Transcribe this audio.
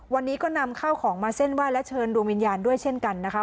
วันนี้ก็นำข้าวของมาเส้นไหว้และเชิญดวงวิญญาณด้วยเช่นกันนะคะ